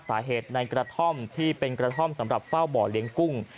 สาเหตุในกระท่อมที่เป็นกระท่อมสำหรับเฝ้าบ่อเลี้ยงกุ้ง